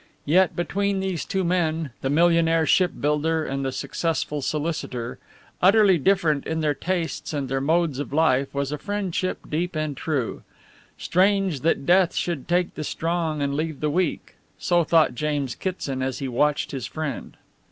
Yet, between these two men, the millionaire ship builder and the successful solicitor, utterly different in their tastes and their modes of life, was a friendship deep and true. Strange that death should take the strong and leave the weak; so thought James Kitson as he watched his friend.